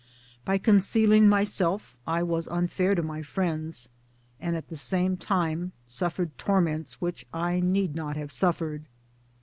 By concealing myself I was unfair to my friends, and at the same time suffered torments which I need not have suffered.